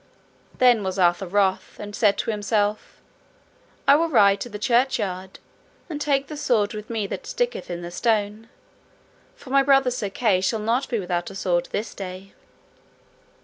Then was Arthur wroth, and said to himself, I will ride to the churchyard, and take the sword with me that sticketh in the stone, for my brother Sir Kay shall not be without a sword this day.